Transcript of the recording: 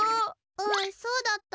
あっそうだった。